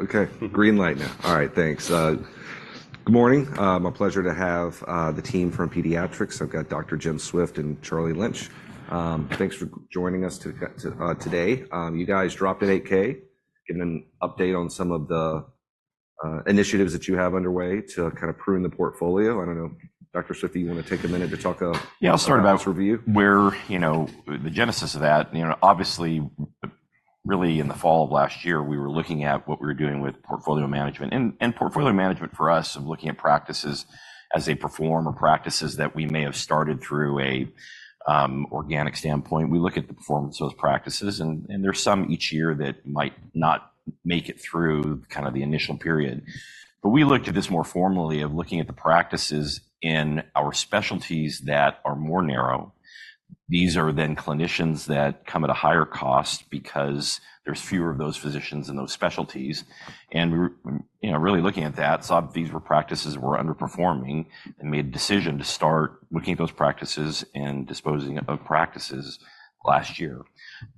Okay, green light now. All right, thanks. Good morning. A pleasure to have the team from Pediatrix. I've got Dr. Jim Swift and Charlie Lynch. Thanks for joining us today. You guys dropped an 8-K, give an update on some of the initiatives that you have underway to kind of prune the portfolio. I don't know, Dr. Swift, do you want to take a minute to talk of- Yeah, I'll start- -practice review? Well, you know, the genesis of that, you know, obviously, really, in the fall of last year, we were looking at what we were doing with portfolio management. And portfolio management for us, and looking at practices as they perform, or practices that we may have started through a organic standpoint. We look at the performance of those practices, and there are some each year that might not make it through kind of the initial period. But we looked at this more formally of looking at the practices in our specialties that are more narrow. These are then clinicians that come at a higher cost because there's fewer of those physicians in those specialties. And we were, you know, really looking at that, saw these practices were underperforming, and made a decision to start looking at those practices and disposing of practices last year.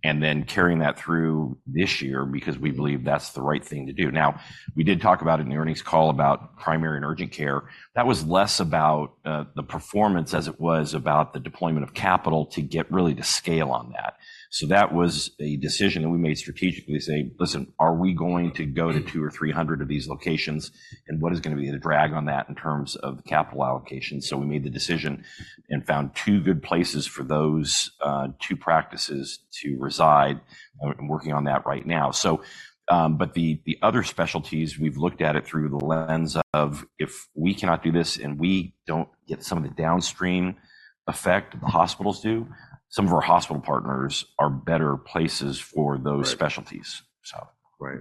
And then carrying that through this year because we believe that's the right thing to do. Now, we did talk about it in the earnings call about primary and urgent care. That was less about the performance, as it was about the deployment of capital to get really to scale on that. So that was a decision that we made strategically to say: Listen, are we going to go to 200 or 300 of these locations? And what is gonna be the drag on that in terms of capital allocation? So we made the decision and found two good places for those two practices to reside, and working on that right now. But the other specialties, we've looked at it through the lens of, if we cannot do this, and we don't get some of the downstream effect that the hospitals do, some of our hospital partners are better places for those- Right... specialties. So. Right.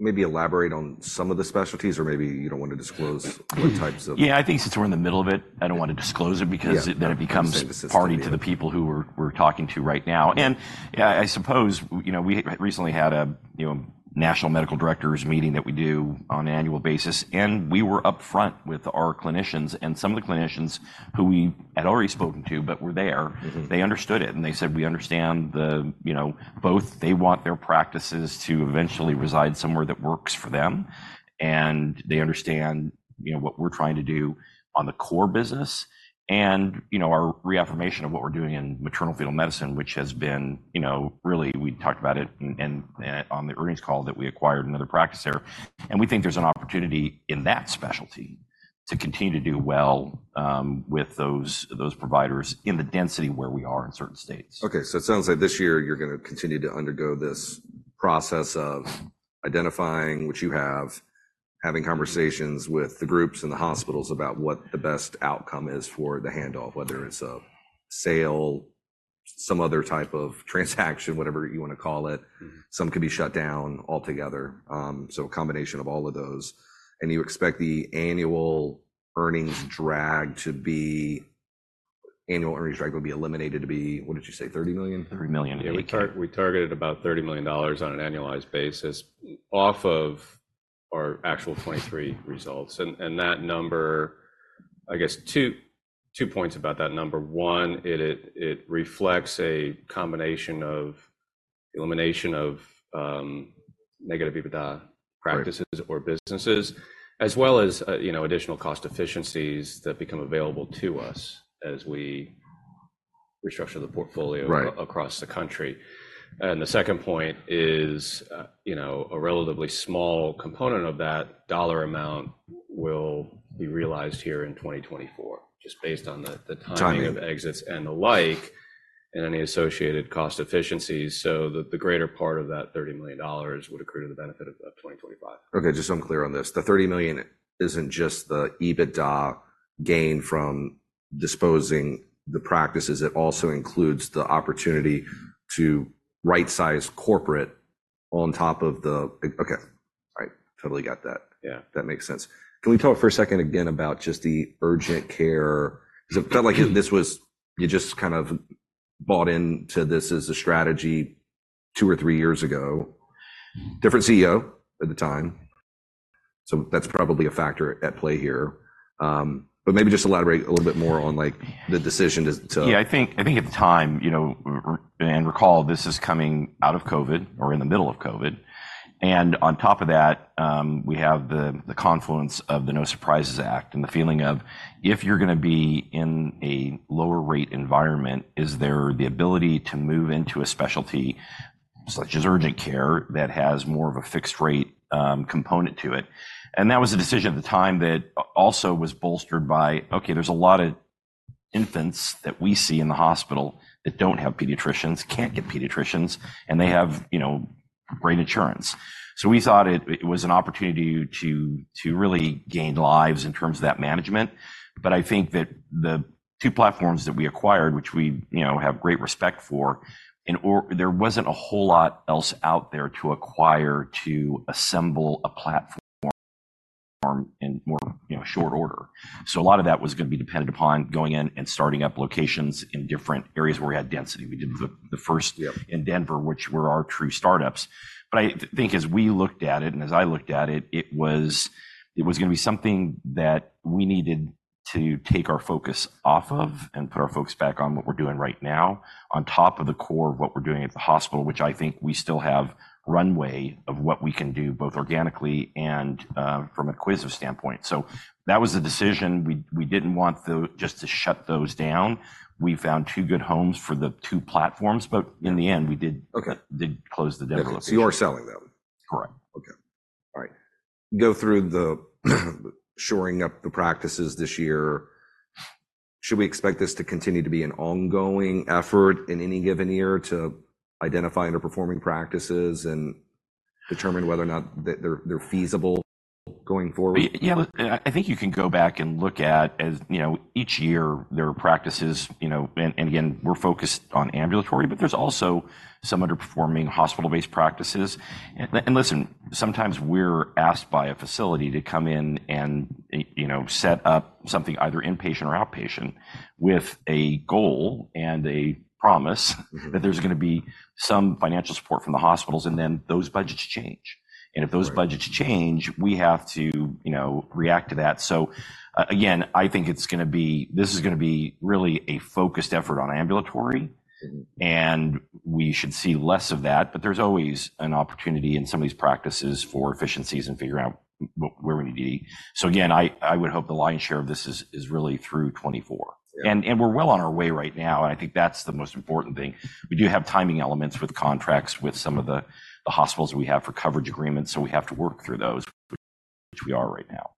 Maybe elaborate on some of the specialties, or maybe you don't want to disclose what types of... Yeah, I think since we're in the middle of it, I don't want to disclose it because- Yeah... that becomes party- Yeah... to the people who we are talking to right now. And, yeah, I suppose, you know, we recently had a, you know, national medical directors meeting that we do on an annual basis, and we were upfront with our clinicians, and some of the clinicians who we had already spoken to, but were there-... they understood it, and they said, "We understand the," you know, both they want their practices to eventually reside somewhere that works for them, and they understand, you know, what we're trying to do on the core business. And, you know, our reaffirmation of what we're doing in maternal-fetal medicine, which has been, you know, really, we talked about it and on the earnings call that we acquired another practice there. And we think there's an opportunity in that specialty to continue to do well, with those providers in the density where we are in certain states. Okay. So it sounds like this year you're gonna continue to undergo this process of identifying what you have, having conversations with the groups and the hospitals about what the best outcome is for the handoff, whether it's a sale, some other type of transaction, whatever you want to call it. Some can be shut down altogether. So a combination of all of those, and you expect the annual earnings drag to be, annual earnings drag will be eliminated to be, what did you say, $30 million? Thirty million. Yeah, we targeted about $30 million on an annualized basis, off of our actual 2023 results. And that number, I guess two points about that number: one, it reflects a combination of elimination of negative EBITDA- Right... practices or businesses, as well as, you know, additional cost efficiencies that become available to us as we restructure the portfolio- Right... across the country. And the second point is, you know, a relatively small component of that dollar amount will be realized here in 2024, just based on the timing- Timing... of exits and the like, and any associated cost efficiencies. So the greater part of that $30 million would accrue to the benefit of 2025. Okay, just so I'm clear on this, the $30 million isn't just the EBITDA gain from disposing the practices, it also includes the opportunity to right-size corporate on top of the... Okay. I totally got that. Yeah. That makes sense. Can we talk for a second again, about just the urgent care? 'Cause it felt like this was, you just kind of bought into this as a strategy two or three years ago. Different CEO at the time. So that's probably a factor at play here. But maybe just elaborate a little bit more on, like, the decision to- Yeah, I think, I think at the time, you know, and recall, this is coming out of COVID, or in the middle of COVID. And on top of that, we have the, the confluence of the No Surprises Act, and the feeling of, if you're gonna be in a lower rate environment, is there the ability to move into a specialty, such as urgent care, that has more of a fixed rate component to it? And that was a decision at the time that also was bolstered by, okay, there's a lot of infants that we see in the hospital that don't have pediatricians, can't get pediatricians, and they have, you know, great insurance. So we thought it, it was an opportunity to, to really gain lives in terms of that management. But I think that the two platforms that we acquired, which we, you know, have great respect for, in or.... There wasn't a whole lot else out there to acquire to assemble a platform, form in more, you know, short order. So a lot of that was gonna be dependent upon going in and starting up locations in different areas where we had density. We did the first- Yeah... in Denver, which were our true startups. But I think as we looked at it, and as I looked at it, it was, it was gonna be something that we needed to take our focus off of and put our focus back on what we're doing right now, on top of the core of what we're doing at the hospital, which I think we still have runway of what we can do, both organically and from a acquisition standpoint. So that was the decision. We didn't want just to shut those down. We found two good homes for the two platforms, but in the end, we did- Okay. Did close the deal. You are selling them? Correct. Okay. All right. Going through shoring up the practices this year. Should we expect this to continue to be an ongoing effort in any given year to identify underperforming practices and determine whether or not they're feasible going forward? Yeah, I think you can go back and look at, as you know, each year there are practices, you know, and again, we're focused on ambulatory, but there's also some underperforming hospital-based practices. And listen, sometimes we're asked by a facility to come in and, you know, set up something either inpatient or outpatient with a goal and a promise-... that there's gonna be some financial support from the hospitals, and then those budgets change. Right. If those budgets change, we have to, you know, react to that. So, again, I think it's gonna be—this is gonna be really a focused effort on ambulatory- and we should see less of that, but there's always an opportunity in some of these practices for efficiencies and figuring out where we need to be. So again, I would hope the lion's share of this is really through 2024. Yeah. We're well on our way right now, and I think that's the most important thing. We do have timing elements with contracts with some of the hospitals we have for coverage agreements, so we have to work through those, which we are right now.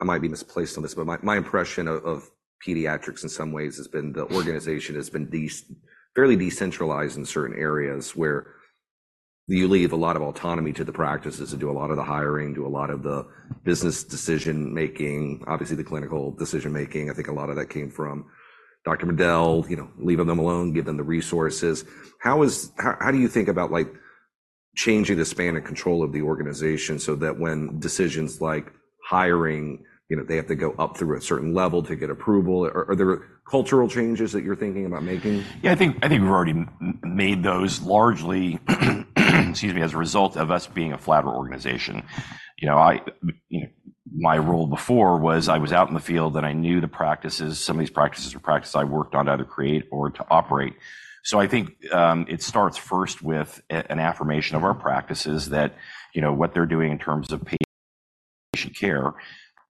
I might be misplaced on this, but my impression of Pediatrix in some ways has been the organization has been fairly decentralized in certain areas, where you leave a lot of autonomy to the practices to do a lot of the hiring, do a lot of the business decision making, obviously the clinical decision making. I think a lot of that came from Dr. Medel, you know, leaving them alone, give them the resources. How is... How do you think about, like, changing the span of control of the organization so that when decisions like hiring, you know, they have to go up through a certain level to get approval? Are there cultural changes that you're thinking about making? Yeah, I think, I think we've already made those largely, excuse me, as a result of us being a flatter organization. You know, I, you know, my role before was I was out in the field, and I knew the practices. Some of these practices are practices I worked on how to create or to operate. So I think it starts first with an affirmation of our practices that, you know, what they're doing in terms of patient care,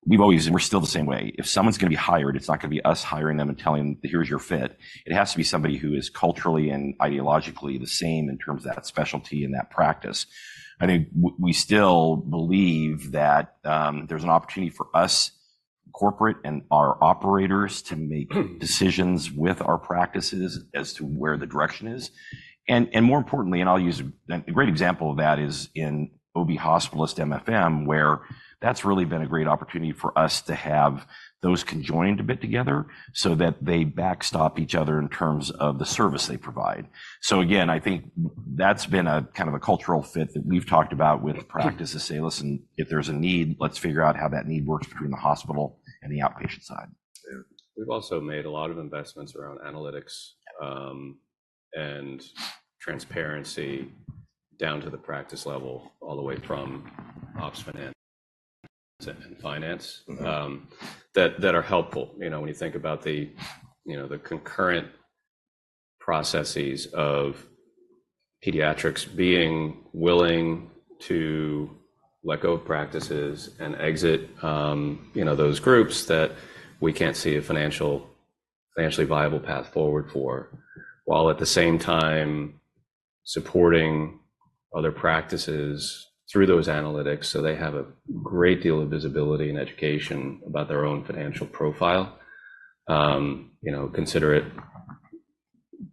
we've always, and we're still the same way. If someone's gonna be hired, it's not gonna be us hiring them and telling them, "Here's your fit." It has to be somebody who is culturally and ideologically the same in terms of that specialty and that practice. I think we still believe that, there's an opportunity for us, corporate and our operators, to make decisions with our practices as to where the direction is. And, and more importantly, and I'll use... A great example of that is in OB hospitalist MFM, where that's really been a great opportunity for us to have those conjoined a bit together so that they backstop each other in terms of the service they provide. So again, I think that's been a kind of a cultural fit that we've talked about with practices, say, "Listen, if there's a need, let's figure out how that need works between the hospital and the outpatient side. Yeah. We've also made a lot of investments around analytics, and transparency down to the practice level, all the way from ops, finance and finance- that are helpful. You know, when you think about the, you know, the concurrent processes of Pediatrix being willing to let go of practices and exit, you know, those groups that we can't see a financially viable path forward for, while at the same time supporting other practices through those analytics, so they have a great deal of visibility and education about their own financial profile. You know, consider it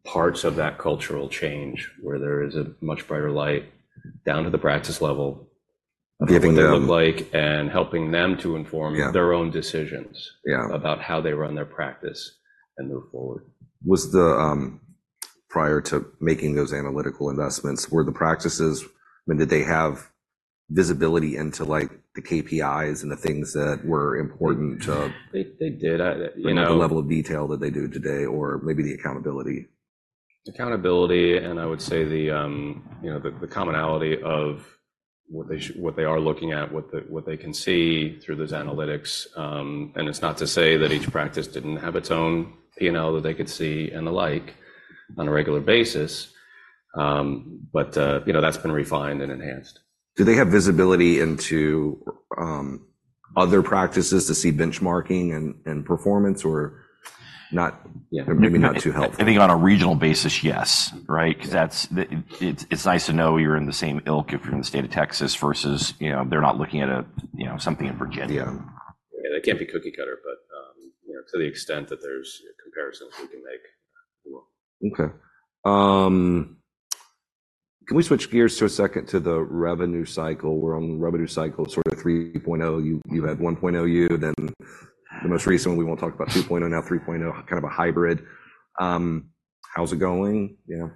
parts of that cultural change, where there is a much brighter light down to the practice level- Giving them- what they look like and helping them to inform- Yeah... their own decisions- Yeah about how they run their practice and move forward. Prior to making those analytical investments, were the practices, I mean, did they have visibility into, like, the KPIs and the things that were important to? They did. You know- But not the level of detail that they do today or maybe the accountability. Accountability, and I would say you know, the commonality of what they are looking at, what they can see through those analytics. And it's not to say that each practice didn't have its own P&L that they could see and the like on a regular basis, but you know, that's been refined and enhanced. Do they have visibility into other practices to see benchmarking and performance or not? Yeah. Maybe not too helpful. I think on a regional basis, yes, right? Yeah. 'Cause that's, it's nice to know you're in the same ilk if you're in the state of Texas versus, you know, they're not looking at a, you know, something in Virginia. Yeah. It can't be cookie cutter, but, you know, to the extent that there's comparisons we can make. Okay. Can we switch gears to a second to the revenue cycle? We're on the revenue cycle, sort of 3.0. You, you had 1.0 year, then the most recent one, we won't talk about 2.0, now 3.0, kind of a hybrid. How's it going, you know?...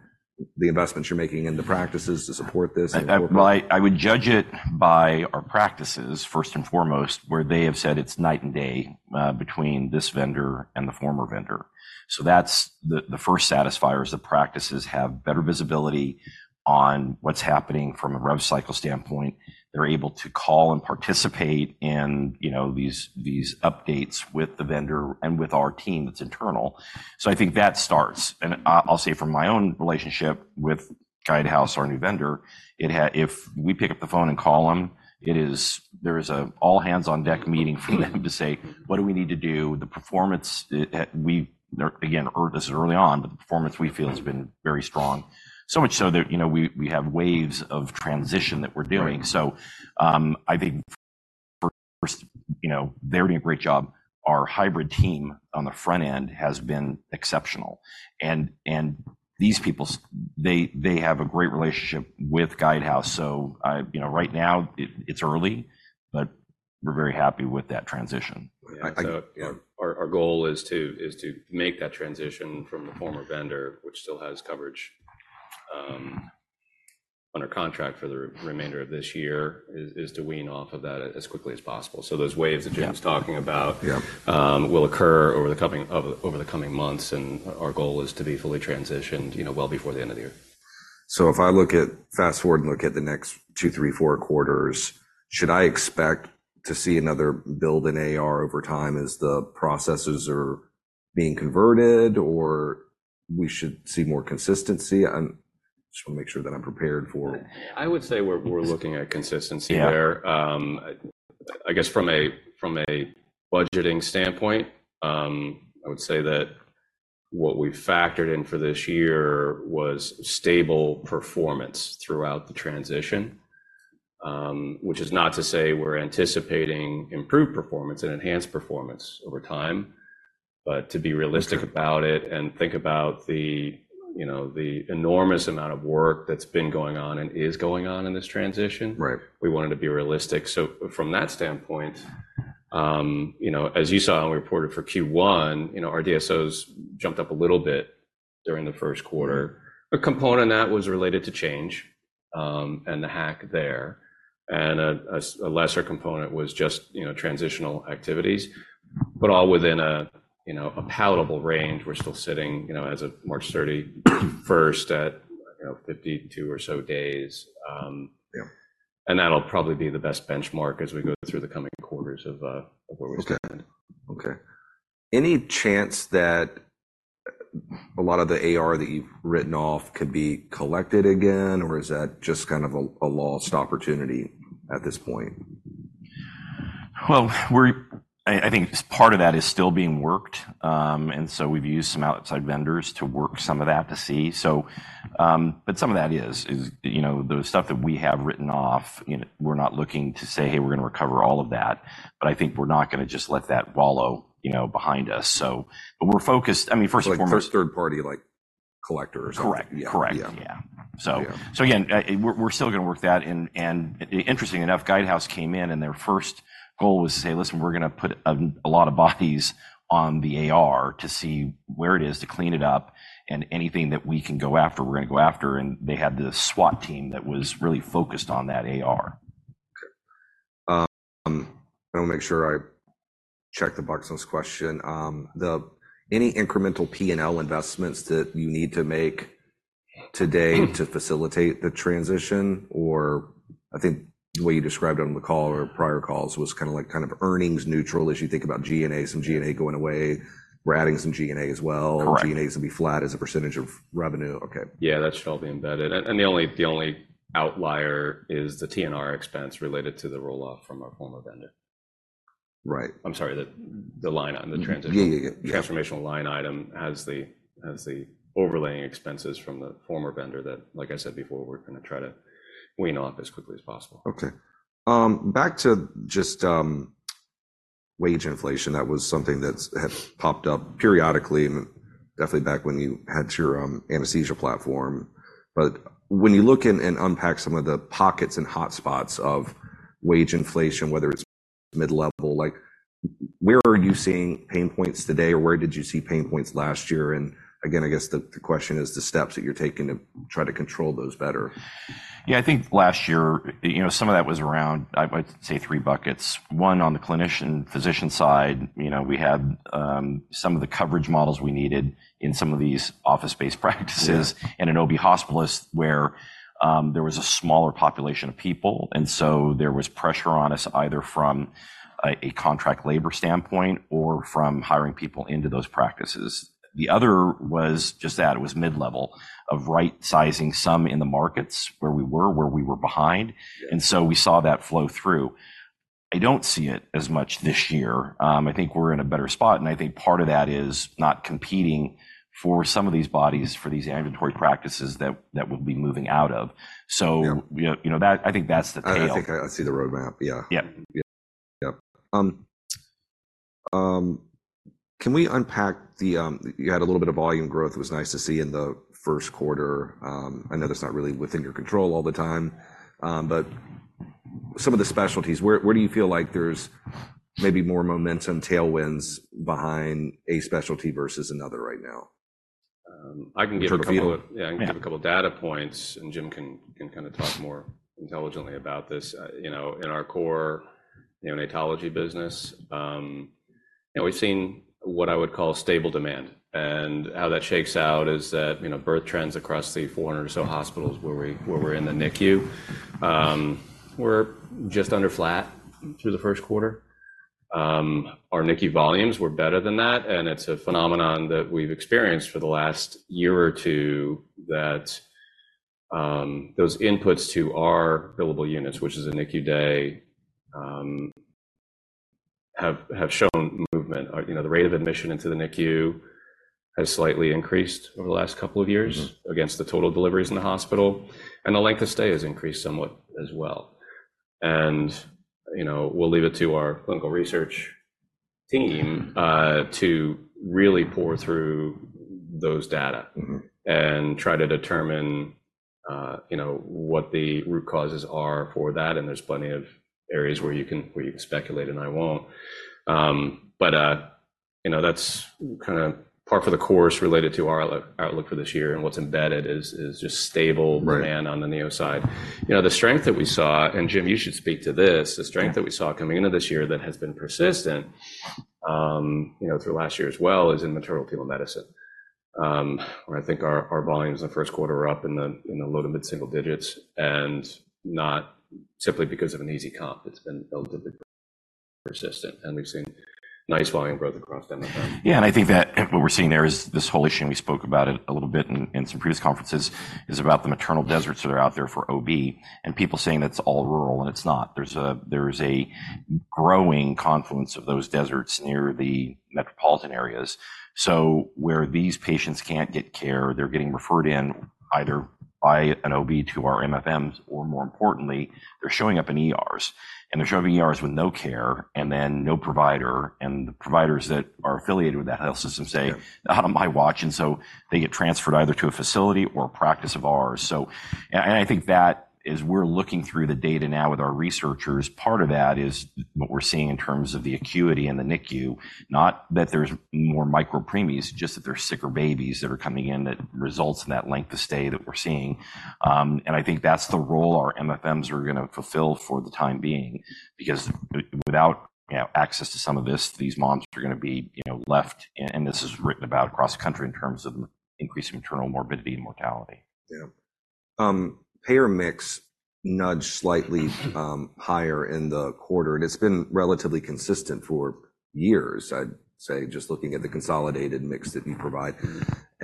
the investments you're making in the practices to support this and- Well, I would judge it by our practices first and foremost, where they have said it's night and day between this vendor and the former vendor. So that's the first satisfier, is the practices have better visibility on what's happening from a rev cycle standpoint. They're able to call and participate in, you know, these updates with the vendor and with our team that's internal. So I think that starts. And I'll say from my own relationship with Guidehouse, our new vendor, it if we pick up the phone and call them, it is there is a all hands on deck meeting for them to say: "What do we need to do?" The performance, we there, again, early this is early on, but the performance we feel has been very strong. So much so that, you know, we have waves of transition that we're doing. Right. So, I think, first, you know, they're doing a great job. Our hybrid team on the front end has been exceptional, and these people, they have a great relationship with Guidehouse. So, you know, right now, it's early, but we're very happy with that transition. So our goal is to make that transition from the former vendor, which still has coverage under contract for the remainder of this year, to wean off of that as quickly as possible. So those waves that Jim's talking about- Yeah. will occur over the coming months, and our goal is to be fully transitioned, you know, well before the end of the year. So if I look at fast-forward and look at the next 2, 3, 4 quarters, should I expect to see another build in AR over time as the processes are being converted, or we should see more consistency? I'm just wanna make sure that I'm prepared for it. I would say we're looking at consistency there. Yeah. I guess from a budgeting standpoint, I would say that what we factored in for this year was stable performance throughout the transition. Which is not to say we're anticipating improved performance and enhanced performance over time, but to be realistic- Okay about it and think about the, you know, the enormous amount of work that's been going on and is going on in this transition. Right. We wanted to be realistic. So from that standpoint, you know, as you saw and we reported for Q1, you know, our DSOs jumped up a little bit during the first quarter. A component of that was related to change, and the hack there, and a lesser component was just, you know, transitional activities, but all within a, you know, a palatable range. We're still sitting, you know, as of March thirty-first, at, you know, 52 or so days, Yeah... and that'll probably be the best benchmark as we go through the coming quarters of where we stand. Okay. Okay. Any chance that a lot of the AR that you've written off could be collected again, or is that just kind of a lost opportunity at this point? Well, I think part of that is still being worked. And so we've used some outside vendors to work some of that to see. So, but some of that is, you know, the stuff that we have written off, you know, we're not looking to say, "Hey, we're gonna recover all of that," but I think we're not gonna just let that wallow, you know, behind us. So, but we're focused, I mean, first and foremost- Like third-party, like, collector or something. Correct. Yeah. Correct. Yeah. Yeah. So- Yeah. So again, we're still gonna work that. And interesting enough, Guidehouse came in, and their first goal was to say: "Listen, we're gonna put a lot of bodies on the AR to see where it is, to clean it up, and anything that we can go after, we're gonna go after." And they had this SWAT team that was really focused on that AR. Okay. I'll make sure I check the box on this question. Any incremental P&L investments that you need to make today-... to facilitate the transition? Or I think the way you described it on the call or prior calls was kinda like kind of earnings neutral. As you think about G&A, some G&A going away, we're adding some G&A as well. Correct. G&As will be flat as a percentage of revenue. Okay. Yeah, that should all be embedded, and the only outlier is the T&R expense related to the roll-off from our former vendor. Right. I'm sorry, the line item, the transition- Yeah, yeah, yeah ...transformational line item has the overlaying expenses from the former vendor that, like I said before, we're gonna try to wean off as quickly as possible. Okay. Back to just wage inflation, that was something that has popped up periodically, and definitely back when you had your anesthesia platform. But when you look and unpack some of the pockets and hotspots of wage inflation, whether it's mid-level, like, where are you seeing pain points today, or where did you see pain points last year? And again, I guess the question is the steps that you're taking to try to control those better. Yeah, I think last year, you know, some of that was around. I'd say three buckets. One, on the clinician, physician side, you know, we had some of the coverage models we needed in some of these office-based practices- Yeah... and an OB hospitalist, where there was a smaller population of people. And so there was pressure on us, either from a contract labor standpoint or from hiring people into those practices. The other was just that, it was mid-level of right-sizing some in the markets where we were, where we were behind. Yeah. And so we saw that flow through. I don't see it as much this year. I think we're in a better spot, and I think part of that is not competing for some of these bodies, for these ambulatory practices that we'll be moving out of. Yeah. You know, you know, I think that's the tale. I think I see the roadmap, yeah. Yeah. Yeah. Yeah. Can we unpack the... You had a little bit of volume growth. It was nice to see in the first quarter. I know that's not really within your control all the time, but some of the specialties, where do you feel like there's maybe more momentum, tailwinds behind a specialty versus another right now? I can give a couple of- Yeah. Yeah, I can give a couple of data points, and Jim can kind of talk more intelligently about this. You know, in our core neonatology business, you know, we've seen what I would call stable demand. And how that shakes out is that, you know, birth trends across the 400 or so hospitals where we're in the NICU, we're just under flat through the first quarter. Our NICU volumes were better than that, and it's a phenomenon that we've experienced for the last year or two, that those inputs to our billable units, which is a NICU day, have shown movement. Or, you know, the rate of admission into the NICU has slightly increased over the last couple of years. -against the total deliveries in the hospital, and the length of stay has increased somewhat as well. And, you know, we'll leave it to our clinical research team to really pore through those data- and try to determine, you know, what the root causes are for that, and there's plenty of areas where you can speculate, and I won't. But, you know, that's kind of par for the course related to our outlook for this year, and what's embedded is just stable- Right... demand on the neo side. You know, the strength that we saw, and Jim, you should speak to this, the strength that we saw coming into this year that has been persistent, you know, through last year as well, is in maternal-fetal medicine. Where I think our volumes in the first quarter were up in the low to mid-single digits, and not simply because of an easy comp. It's been relatively persistent, and we've seen nice volume growth across MFM. Yeah, and I think that what we're seeing there is this whole issue, and we spoke about it a little bit in some previous conferences, is about the maternal deserts that are out there for OB, and people saying it's all rural, and it's not. There's a growing confluence of those deserts near the metropolitan areas. So where these patients can't get care, they're getting referred in either by an OB to our MFMs or, more importantly, they're showing up in ERs. And they're showing up in ERs with no care and then no provider, and the providers that are affiliated with that health system say- Yeah... "Not on my watch!" And so they get transferred either to a facility or a practice of ours. So, I think that as we're looking through the data now with our researchers, part of that is what we're seeing in terms of the acuity in the NICU, not that there's more micro preemies, just that there are sicker babies that are coming in, that results in that length of stay that we're seeing. And I think that's the role our MFMs are gonna fulfill for the time being, because without, you know, access to some of this, these moms are gonna be, you know, left, and this is written about across the country in terms of increased maternal morbidity and mortality. Yeah. Payer mix nudged slightly higher in the quarter, and it's been relatively consistent for years, I'd say, just looking at the consolidated mix that you provide.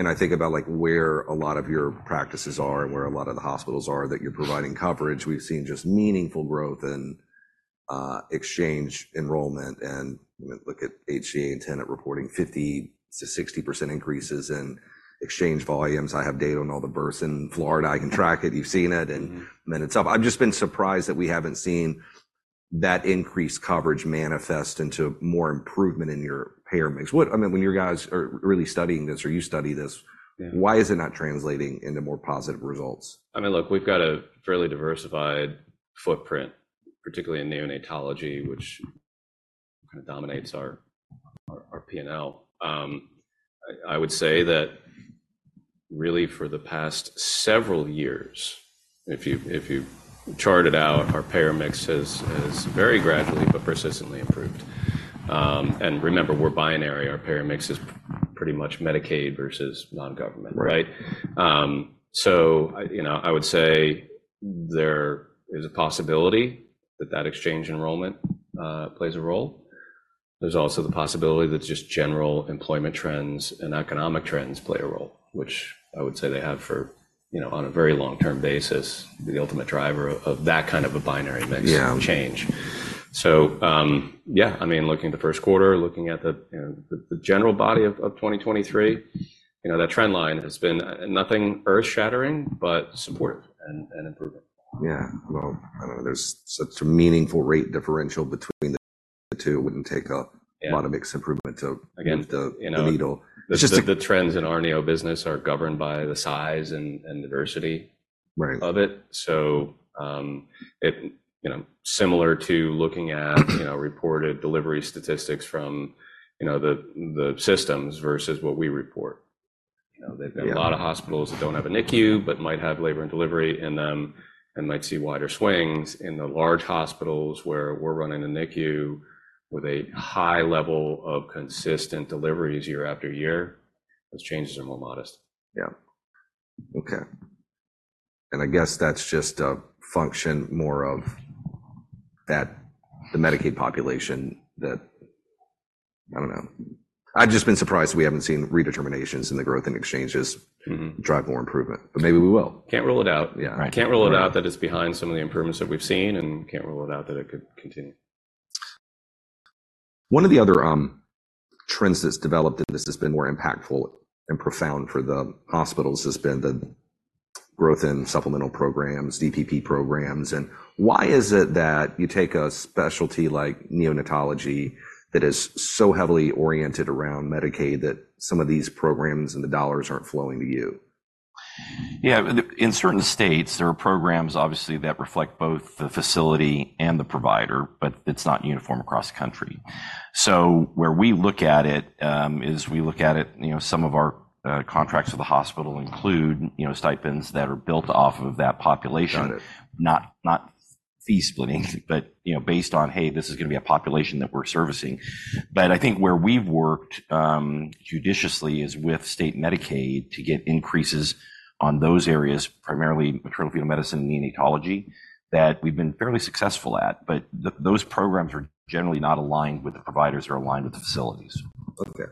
I think about, like, where a lot of your practices are and where a lot of the hospitals are that you're providing coverage. We've seen just meaningful growth in exchange enrollment, and, you know, look at HCA and Tenet reporting 50%-60% increases in exchange volumes. I have data on all the births in Florida. I can track it. You've seen it- And then it's up. I've just been surprised that we haven't seen that increased coverage manifest into more improvement in your payer mix. What... I mean, when you guys are really studying this, or you study this- Yeah... why is it not translating into more positive results? I mean, look, we've got a fairly diversified footprint, particularly in neonatology, which kind of dominates our P&L. I would say that really for the past several years, if you chart it out, our payer mix has very gradually but persistently improved. And remember, we're binary. Our payer mix is pretty much Medicaid versus non-government, right? Right. So, you know, I would say there is a possibility that that exchange enrollment plays a role. There's also the possibility that just general employment trends and economic trends play a role, which I would say they have for, you know, on a very long-term basis, the ultimate driver of that kind of a binary mix- Yeah... change. So, yeah, I mean, looking at the first quarter, looking at the, you know, the general body of 2023, you know, that trend line has been nothing earth-shattering, but supportive and improving. Yeah. Well, I don't know. There's such a meaningful rate differential between the two. It wouldn't take a- Yeah... lot of mix improvement to- Again, you know- move the needle. The trends in our neo business are governed by the size and diversity- Right... of it. So, you know, similar to looking at reported delivery statistics from, you know, the systems versus what we report. You know, there are- Yeah... a lot of hospitals that don't have a NICU but might have labor and delivery in them and might see wider swings. In the large hospitals where we're running a NICU with a high level of consistent deliveries year after year, those changes are more modest. Yeah. Okay, and I guess that's just a function more of that, the Medicaid population that... I don't know. I've just been surprised we haven't seen redeterminations in the growth in exchanges-... drive more improvement, but maybe we will. Can't rule it out. Yeah. Right. Can't rule it out that it's behind some of the improvements that we've seen, and can't rule it out that it could continue. One of the other trends that's developed, and this has been more impactful and profound for the hospitals, has been the growth in supplemental programs, DPP programs. And why is it that you take a specialty like neonatology that is so heavily oriented around Medicaid, that some of these programs and the dollars aren't flowing to you? ... Yeah, in certain states, there are programs, obviously, that reflect both the facility and the provider, but it's not uniform across the country. So where we look at it is we look at it, you know, some of our contracts with the hospital include, you know, stipends that are built off of that population. Got it. Not, not fee splitting, but, you know, based on, hey, this is gonna be a population that we're servicing. But I think where we've worked judiciously is with state Medicaid to get increases on those areas, primarily maternal-fetal medicine and neonatology, that we've been fairly successful at. But those programs are generally not aligned with the providers or aligned with the facilities. Okay.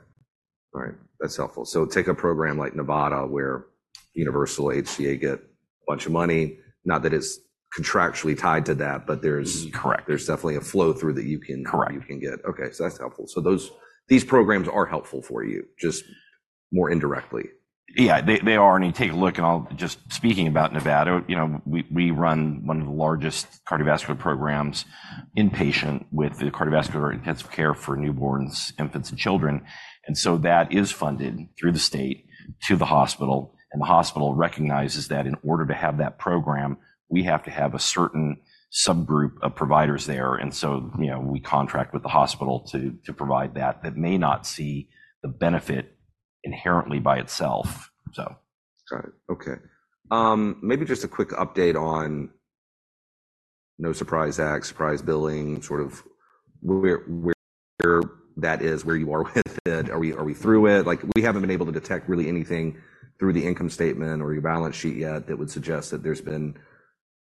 All right, that's helpful. So take a program like Nevada, where Universal, HCA get a bunch of money, not that it's contractually tied to that, but there's- correct. There's definitely a flow-through that you can- Correct... you can get. Okay, so that's helpful. So those, these programs are helpful for you, just more indirectly. Yeah, they are, and take a look, and I'm just speaking about Nevada, you know, we run one of the largest cardiovascular programs, inpatient, with the cardiovascular intensive care for newborns, infants, and children, and so that is funded through the state to the hospital. And the hospital recognizes that in order to have that program, we have to have a certain subgroup of providers there, and so, you know, we contract with the hospital to provide that that may not see the benefit inherently by itself, so. Got it. Okay. Maybe just a quick update on No Surprises Act, surprise billing, sort of where, where that is, where you are with it. Are we, are we through it? Like, we haven't been able to detect really anything through the income statement or your balance sheet yet that would suggest that there's been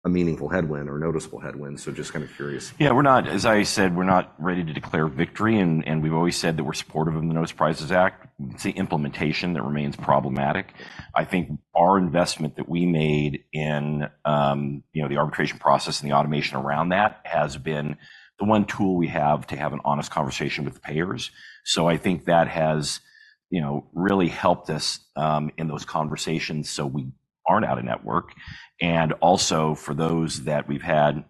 a meaningful headwind or noticeable headwind, so just kind of curious. Yeah, we're not—as I said, we're not ready to declare victory, and we've always said that we're supportive of the No Surprises Act. It's the implementation that remains problematic. I think our investment that we made in, you know, the arbitration process and the automation around that, has been the one tool we have to have an honest conversation with payers. So I think that has, you know, really helped us in those conversations, so we aren't out of network, and also for those that we've had,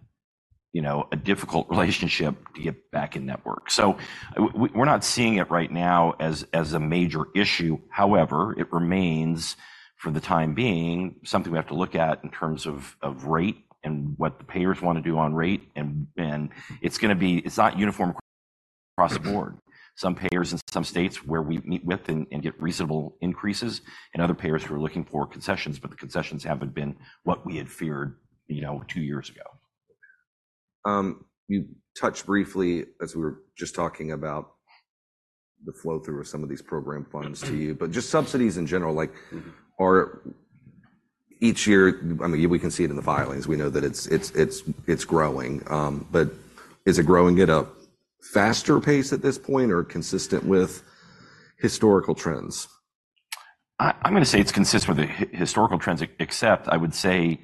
you know, a difficult relationship, to get back in network. So we're not seeing it right now as a major issue. However, it remains, for the time being, something we have to look at in terms of rate and what the payers wanna do on rate, and it's gonna be—it's not uniform across the board. Okay. Some payers in some states where we meet with and get reasonable increases, and other payers we're looking for concessions, but the concessions haven't been what we had feared, you know, two years ago. You touched briefly, as we were just talking about the flow-through of some of these program funds to you, but just subsidies in general, like- are each year, I mean, we can see it in the filings, we know that it's growing, but is it growing at a faster pace at this point or consistent with historical trends? I'm gonna say it's consistent with the historical trends, except I would say,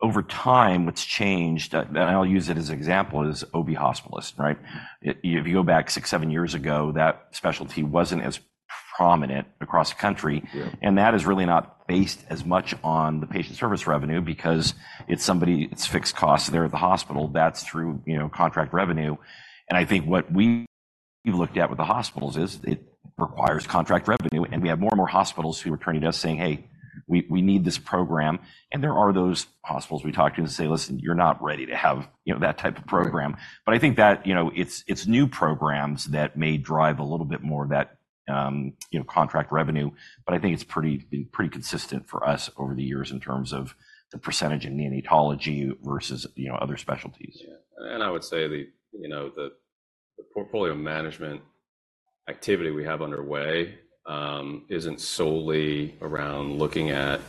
over time, what's changed, and I'll use it as an example, is OB Hospitalist, right? If you go back 6-7 years ago, that specialty wasn't as prominent across the country. Yeah. And that is really not based as much on the patient service revenue because it's somebody, it's fixed costs there at the hospital, that's through, you know, contract revenue. And I think what we've looked at with the hospitals is it requires contract revenue, and we have more and more hospitals who are turning to us saying, "Hey, we need this program." And there are those hospitals we talk to and say: "Listen, you're not ready to have, you know, that type of program. Right. But I think that, you know, it's new programs that may drive a little bit more of that, you know, contract revenue, but I think it's pretty consistent for us over the years in terms of the percentage in neonatology versus, you know, other specialties. Yeah, and I would say you know, the portfolio management activity we have underway isn't solely around looking at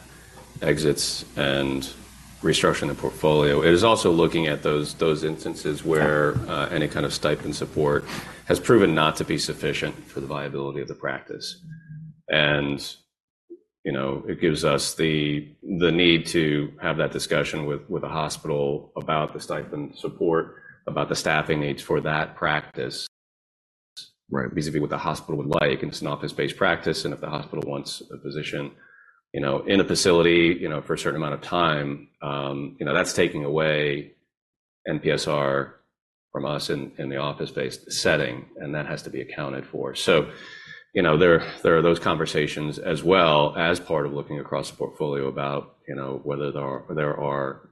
exits and restructuring the portfolio. It is also looking at those instances where any kind of stipend support has proven not to be sufficient for the viability of the practice. And, you know, it gives us the need to have that discussion with the hospital about the stipend support, about the staffing needs for that practice. Right, basically, what the hospital would like, and it's an office-based practice, and if the hospital wants a physician, you know, in a facility, you know, for a certain amount of time, you know, that's taking away NPSR from us in the office-based setting, and that has to be accounted for. You know, there are those conversations as well as part of looking across the portfolio about, you know, whether there are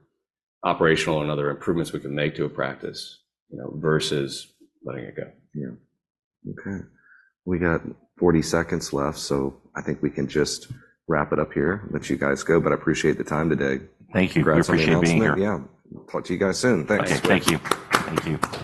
operational and other improvements we can make to a practice, you know, versus letting it go. Yeah. Okay. We got 40 seconds left, so I think we can just wrap it up here and let you guys go, but I appreciate the time today. Thank you. We appreciate being here. Yeah. Talk to you guys soon. Thanks. Thank you. Thank you.